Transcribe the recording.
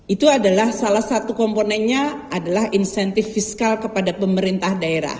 itu adalah salah satu komponennya adalah insentif fiskal kepada pemerintah daerah